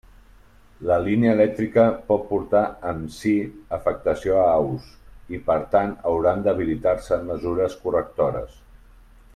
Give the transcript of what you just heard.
La línia elèctrica pot portar amb si afectació a aus, i per tant hauran d'habilitar-se mesures correctores.